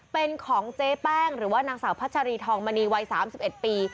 เป็นของเจ๊แป้งหรือว่านางสาวพัชรีทองมณีวัย๓๑ปี